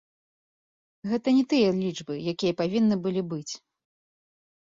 Гэта не тыя лічбы, якія павінны былі быць.